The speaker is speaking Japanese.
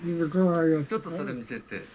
ちょっとそれ見せて。